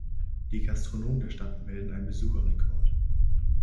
Die Gastronomen der Stadt melden einen Besucherrekord.